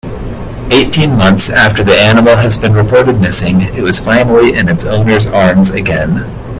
Eighteen months after the animal has been reported missing it was finally in its owner's arms again.